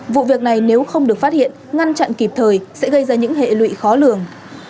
vụ việc này nếu không được phát hiện ngăn chặn kịp thời sẽ gây ra những hệ lụy khó lường